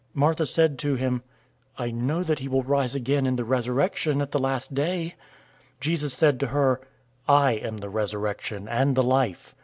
011:024 Martha said to him, "I know that he will rise again in the resurrection at the last day." 011:025 Jesus said to her, "I am the resurrection and the life.